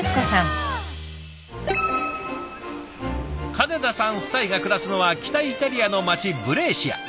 金田さん夫妻が暮らすのは北イタリアの街ブレーシア。